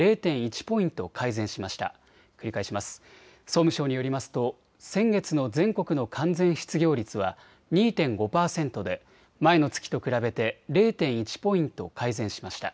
総務省によりますと先月の全国の完全失業率は２．５％で前の月と比べて０．１ポイント改善しました。